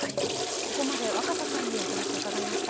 ここまで若狭さんにお話を伺いました。